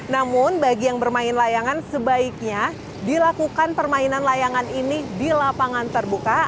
namun bagi yang bermain layangan sebaiknya dilakukan permainan layangan ini di lapangan terbuka